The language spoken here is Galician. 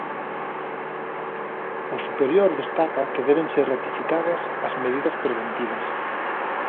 O Superior destaca que deben ser ratificadas as medidas preventivas.